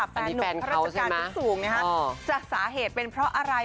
แฟนหนุ่มพระราชการที่สูงนะครับสาเหตุเป็นเพราะอะไร